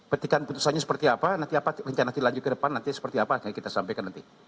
petikan putusannya seperti apa nanti apa rencana dilanjut ke depan nanti seperti apa nanti kita sampaikan nanti